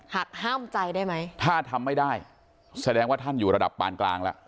หากห้ามใจได้ไหมถ้าทำไม่ได้แสดงว่าท่านอยู่ระดับปานกลางแล้ว